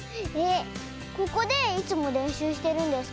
ここでいつもれんしゅうしてるんですか？